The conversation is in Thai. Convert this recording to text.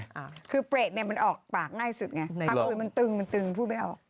อ่าคือเปรตเนี้ยมันออกปากง่ายสุดไงเลยปากอื่นมันตึงมันตึงพูดไม่ออก